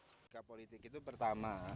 sikap politik itu pertama